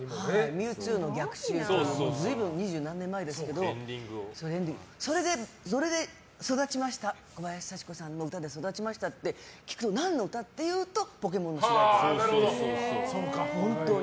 「ミュウツーの逆襲」とか二十何年前ですけど小林幸子さんの歌で育ちましたって言われて何の歌？って言うと「ポケモン」の主題歌。